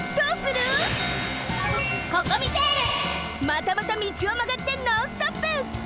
またまた道をまがってノンストップ！